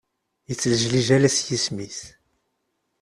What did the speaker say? Ittlejlij ala s yisem-is.